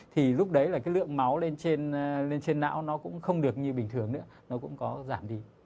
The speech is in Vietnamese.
thì lúc đấy là cái lượng máu lên trên não nó cũng không được như bình thường nữa nó cũng có giảm đi